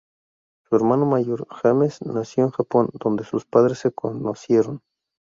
Su hermano mayor, James, nació en Japón, donde sus padres se conocieron.